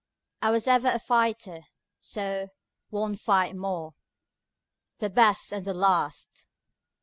I was ever a fighter, so one fight more, The best and the last!